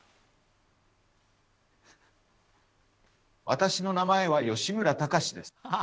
私の名前は吉村崇です。